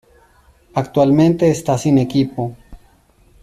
Actualmente esta sin equipo.